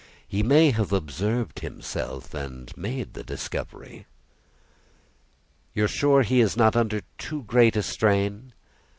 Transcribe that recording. He may have observed himself, and made the discovery." "You are sure that he is not under too great a strain?"